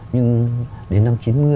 nhưng đến năm chín mươi